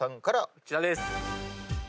こちらです。